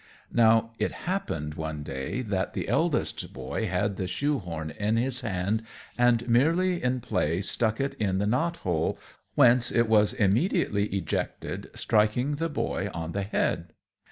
Now, it happened one day that the eldest boy had the shoe horn in his hand, and merely in play stuck it in the knot hole, whence it was immediately ejected, striking the boy on the head.